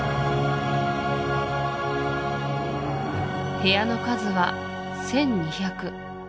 部屋の数は１２００